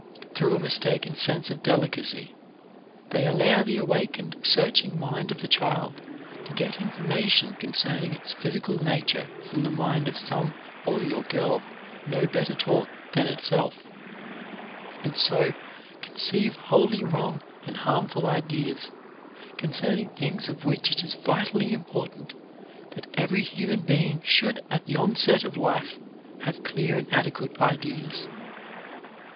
Through a mistaken sense of delicacy, they allow the awakened, searching mind of the child to get information concerning its physical nature from the mind of some boy or girl no better taught than itself, and so conceive wholly wrong and harmful ideas concerning things of which it is vitally important that every human being should at the outset of life have clear and adequate ideas.